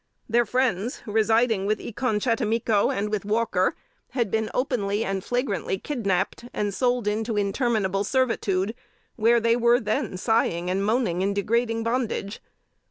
Their friends, residing with E con chattimico and with Walker, had been openly and flagrantly kidnapped, and sold into interminable servitude, where they were then sighing and moaning in degrading bondage.